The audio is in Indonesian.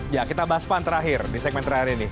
ya kita bahas pan terakhir di segmen terakhir ini